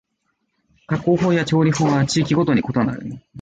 加工法や調理法は地域ごとに異なる